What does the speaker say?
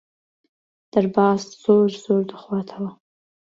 دەرباز زۆر زۆر دەخواتەوە.